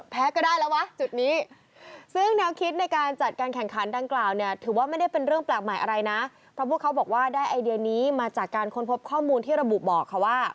ปกติเขาเร่งกันเป็นแบบว่า๒๐นาทีครึ่งชั่วโมง